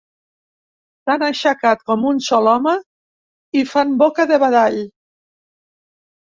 S'han aixecat com un sol home i fan boca de badall.